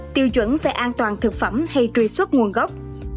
tiêu chuẩn về an toàn thực phẩm hay truy xuất nguồn gốc